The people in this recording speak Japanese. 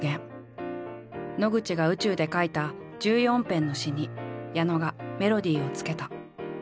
野口が宇宙で書いた１４編の詩に矢野がメロディーをつけた。